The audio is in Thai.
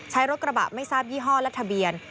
ใช้รถกระบะไม่ทราบยี่ห้อและทะเบียน